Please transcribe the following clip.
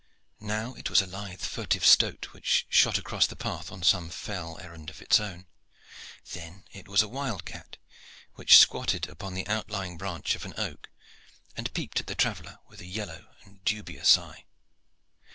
Now it was a lithe, furtive stoat which shot across the path upon some fell errand of its own; then it was a wild cat which squatted upon the outlying branch of an oak and peeped at the traveller with a yellow and dubious eye.